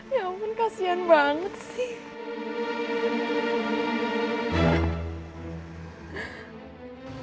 ya ampun kasian banget sih